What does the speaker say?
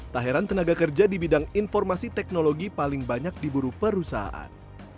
tak heran tenaga kerja di bidang informasi teknologi paling banyak diburu perusahaan